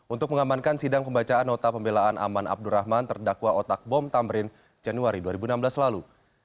untuk mengamankan sidang pembacaan nota pembelaan aman abdurrahman terdakwa otak bom tamrin januari dua ribu enam belas lalu